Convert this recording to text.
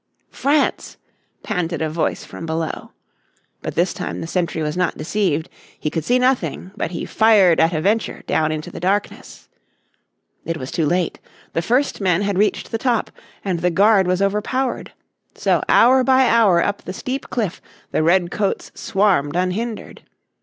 "France," panted a voice from below. But this time the sentry was not deceived. He could see nothing, but he fired at a venture down into the darkness. It was too late. The first men had reached the top, and the guard was overpowered. So hour by hour up the steep cliff the red coats swarmed unhindered.